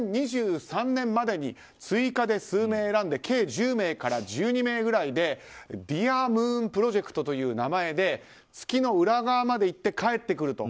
２０２３年までに追加で数名選んで計１０名から１２名ぐらいでディアムーンプロジェクトという名前で月の裏側まで行って帰ってくる。